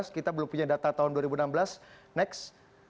kita belum punya data tahun dua ribu enam belas next